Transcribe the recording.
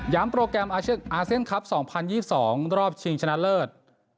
โปรแกรมอาเซียนคลับ๒๐๒๒รอบชิงชนะเลิศ